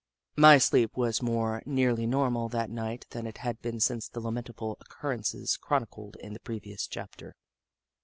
My sleep was more nearly normal that night than it had been since the lamentable occur rences chronicled in the previous chapter.